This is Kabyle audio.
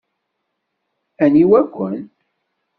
Aniwa-ken?